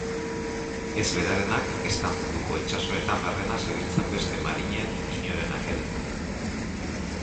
Ez berarenak, ezta munduko itsasoetan barrena zebiltzan beste marinel inorenak ere.